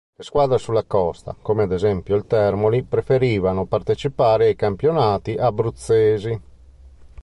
Le squadre sulla costa, come ad esempio il Termoli, preferivano partecipare ai campionati abruzzesi.